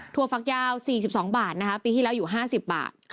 ถั่วฟักยาว๔๒บาทปีที่แล้วอยู่๕๐บาท